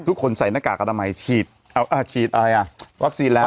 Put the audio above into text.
ทุกคนใส่หน้ากากอนามัยฉีดฉีดอะไรอ่ะวัคซีนแล้ว